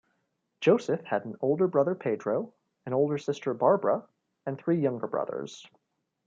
Joseph had an older brother Pedro, an older sister Barbara and three younger brothers.